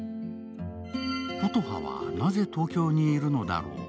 琴葉はなぜ東京にいるんだろう。